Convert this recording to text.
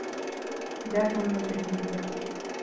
ذاك من البديهيات.